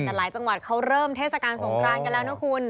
แต่หลายจังหวัดเขาเริ่มเทศกาลสงครานกันแล้วนะคุณ